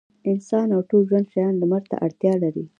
انسانان او ټول ژوندي شيان لمر ته اړتيا لري.